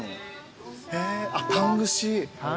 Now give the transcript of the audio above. タン串。